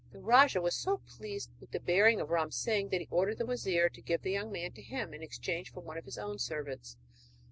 The rajah was so pleased with the bearing of Ram Singh that he ordered the wazir to give the young man to him in exchange for one of his own servants.